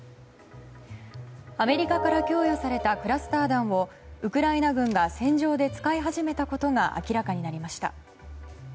アメリカから供与されたクラスター弾をウクライナ軍が戦場で使い始めたことが明らかになりました。